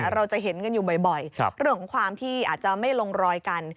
เราจะเห็นกันอยู่บ่อยเรื่องของความที่อาจจะไม่ลงรอยกัน